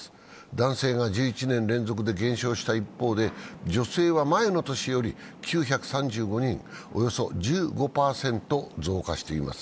男性が１１年連続で減少した一方で、女性は前の年より９３５人、およそ１５％増加しています。